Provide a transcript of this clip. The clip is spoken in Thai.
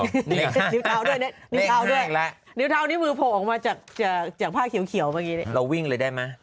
นิ้วเท้าด้วยนิ้วเท้านิ้วพกออกมาจากผ้าเขียวตอนนี้วิ่งเลยได้มั้ย